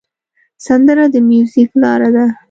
سندره د میوزیک لاره ده